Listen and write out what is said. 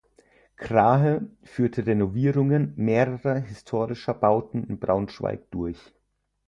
Krahe führte Renovierungen mehrerer historischer Bauten in Braunschweig durch.